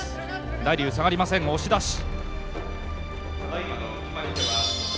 大竜、下がりません、押し出し。